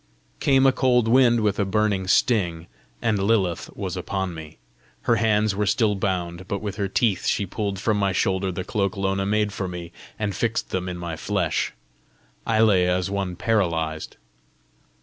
Came a cold wind with a burning sting and Lilith was upon me. Her hands were still bound, but with her teeth she pulled from my shoulder the cloak Lona made for me, and fixed them in my flesh. I lay as one paralysed.